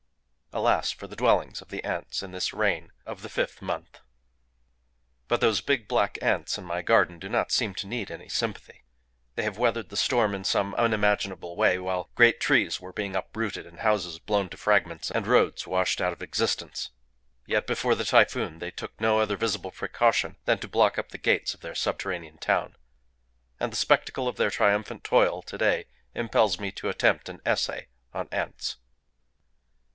Alas for the dwellings of the ants in this rain of the fifth month!_] But those big black ants in my garden do not seem to need any sympathy. They have weathered the storm in some unimaginable way, while great trees were being uprooted, and houses blown to fragments, and roads washed out of existence. Yet, before the typhoon, they took no other visible precaution than to block up the gates of their subterranean town. And the spectacle of their triumphant toil to day impels me to attempt an essay on Ants.